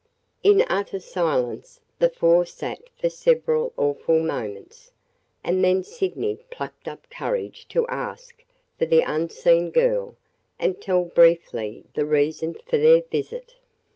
In utter silence the four sat for several awful moments, and then Sydney plucked up courage to ask for the unseen girl and tell briefly the reason for their visit.